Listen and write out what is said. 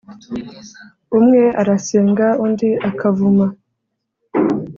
Umwe arasenga, undi akavuma,